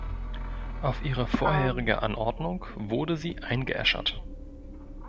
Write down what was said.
Auf ihre vorherige Anordnung wurde sie eingeäschert.